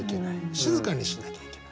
静かにしなきゃいけない。